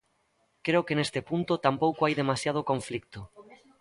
Creo que neste punto tampouco hai demasiado conflito.